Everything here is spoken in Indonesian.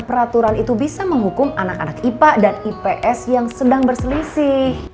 dan peraturan itu bisa menghukum anak anak ipa dan ips yang sedang berselisih